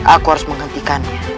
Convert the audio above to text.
aku harus menghentikannya